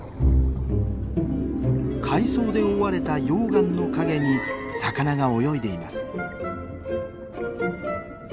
海藻で覆われた溶岩の陰に魚が泳いでいます。